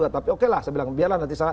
tapi oke lah saya bilang biarlah nanti